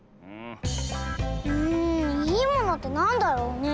んいいものってなんだろうねえ？